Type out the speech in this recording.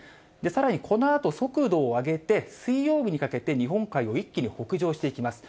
さらにこのあと、速度を上げて、水曜日にかけて日本海を一気に北上していきます。